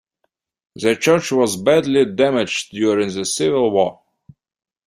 The church was badly damaged during the Civil War.